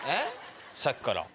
さっきから。